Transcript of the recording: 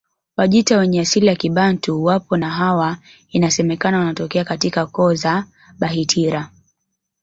Wajita wenye asili ya Kibantu wapo na hawa inasemekana wanatokea katika koo za Bahitira